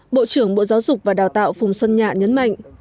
bộ trưởng bộ giáo dục và đào tạo phùng xuân nhạ nhấn mạnh